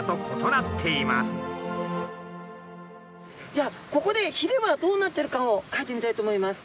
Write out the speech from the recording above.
じゃあここでひれはどうなってるかをかいてみたいと思います。